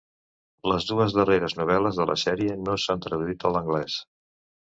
Les dues darreres novel·les de la sèrie no s'han traduït a l'anglès.